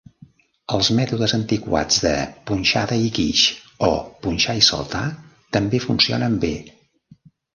Els mètodes antiquats de "punxada i guix" o "punxar i saltar" també funcionen bé.